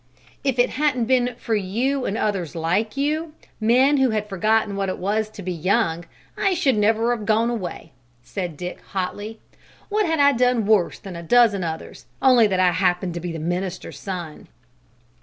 "If it hadn't been for you and others like you, men who had forgotten what it was to be young, I should never have gone away," said Dick hotly. "What had I done worse than a dozen others, only that I happened to be the minister's son?"